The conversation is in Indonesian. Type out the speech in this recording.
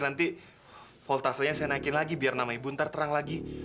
nanti voltasenya saya naikin lagi biar nama ibu ntar terang lagi